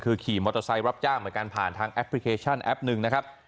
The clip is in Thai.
คือขี่มอเตอร์ไซต์รับจ้างเหมือนกัน